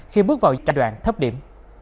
khi bước vào giai đoạn thấp điểm